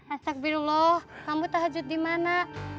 astagfirullah kamu tak hajut dimana